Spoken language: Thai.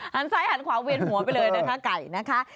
ซ้ายหันขวาเวียนหัวไปเลยนะคะไก่นะคะ